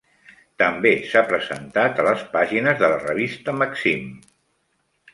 També s'ha presentat a les pàgines de la revista Maxim.